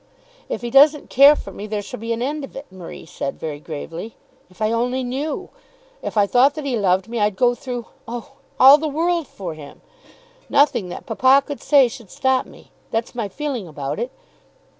"If he doesn't care for me, there shall be an end of it," Marie said very gravely. "If I only knew! If I thought that he loved me, I'd go through, oh, all the world for him. Nothing that papa could say should stop me. That's my feeling about it.